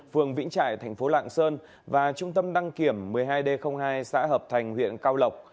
phường vĩnh trại thành phố lạng sơn và trung tâm đăng kiểm một mươi hai d hai xã hợp thành huyện cao lộc